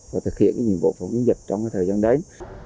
và thực hiện những nhiệm vụ phổ biến dịch trong thời gian đến